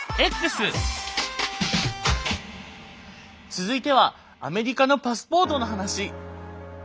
続いてはアメリカのパスポートの話。